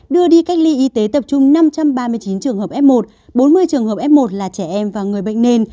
đưa đi cách ly y tế tập trung năm trăm ba mươi chín trường hợp f một bốn mươi trường hợp f một là trẻ em và người bệnh nền